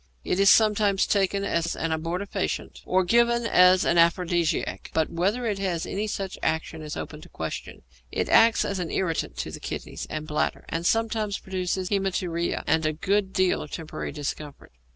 It is sometimes taken as an abortifacient or given as an aphrodisiac, but whether it has any such action is open to question. It acts as an irritant to the kidneys and bladder, and sometimes produces haæmaturia and a good deal of temporary discomfort.